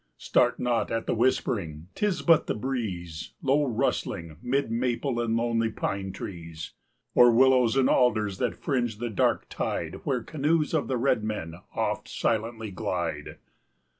Start not at the whispering, 'tis but the breeze, Low rustling, 'mid maple and lonely pine trees, Or willows and alders that fringe the dark tide Where canoes of the red men oft silently glide.